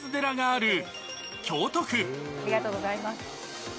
ありがとうございます。